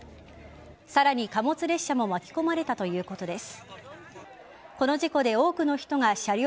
さらに貨物列車も巻き込まれたということです。